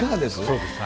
そうですね。